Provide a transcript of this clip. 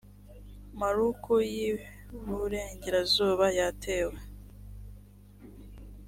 maluku y i burengerazuba yatewe